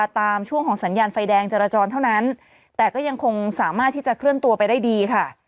ช่วงของสัญญาณไฟแดงจราจรเท่านั้นแต่ก็ยังคงสามารถที่จะเคลื่อนตัวไปได้ดีค่ะ